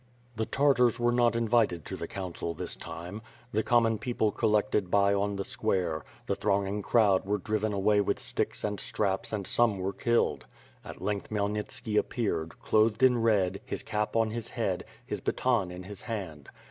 The Tartars were not invited to the council this time. The common people collected near by on the square; the throng ing crowd were driven away with sticks and straps and some were killed. At length Khmyelnitski appeared, clothed in red, his cap on his head, his baton in his hand.